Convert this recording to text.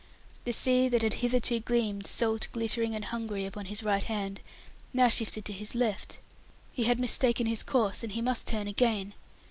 The sea that had hitherto gleamed, salt, glittering, and hungry upon his right hand, now shifted to his left. He had mistaken his course, and he must turn again.